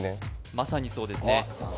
まさにそうですねあっ